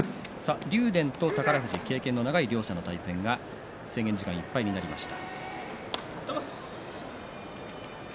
竜電と宝富士関、経験の長い両者の対戦が制限時間いっぱいになりました。